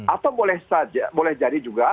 atau boleh jadi juga